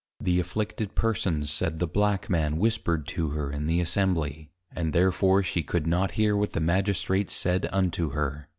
The afflicted Persons said, the Black Man whispered to her in the Assembly, and therefore she could not hear what the Magistrates said unto her.